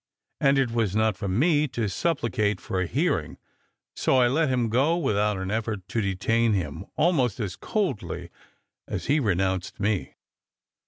And it was not for me to suppUcate for a hearing ; so I let him go, without an effort to detain him, almost as coldly as he renounced me."